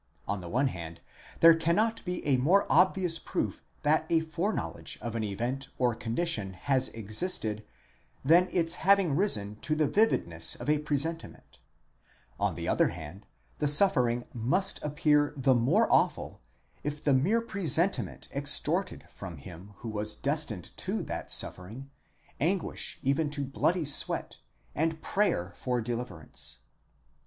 On the one hand, there cannot be a more obvious proof that a foreknowledge of an event or condition has existed, than its having risen to the vividness of a presentiment ; on the other hand, the suffering must appear the more awful, if the mere presentiment extorted from him who was destined to that suffering, anguish even to bloody sweat, and prayer for deliverance.